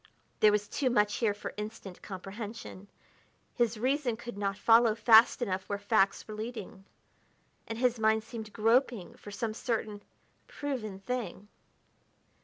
There was too much here for instant comprehension; his reason could not follow fast enough where facts were leading, and his mind seemed groping for some certain, proven thing.